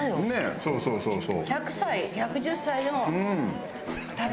そうそうそうそう。